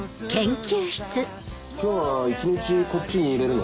今日は一日こっちにいれるの？